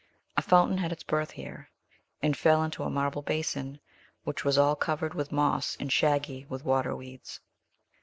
A fountain had its birth here, and fell into a marble basin, which was all covered with moss and shaggy with water weeds.